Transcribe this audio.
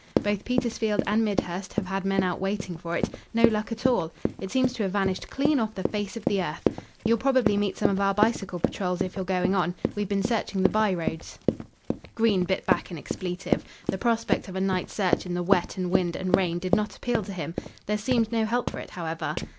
Both Petersfield and Midhurst have had men out waiting for it. No luck at all. It seems to have vanished clean off the face of the earth. You'll probably meet some of our bicycle patrols if you're going on. We've been searching the by roads." Green bit back an expletive. The prospect of a night's search in the wet and wind and rain did not appeal to him. There seemed no help for it, however.